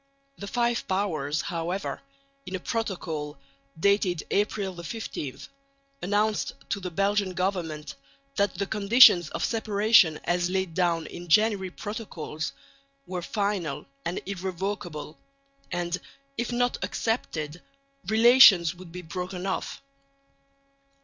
The Five Powers, however, in a protocol, dated April 15, announced to the Belgian Government that the conditions of separation as laid down in the January protocols were final and irrevocable, and, if not accepted, relations would be broken off.